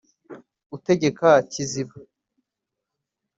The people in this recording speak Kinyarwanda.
Utegeka Kiziba :